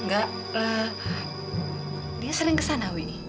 gak dia sering ke sana wi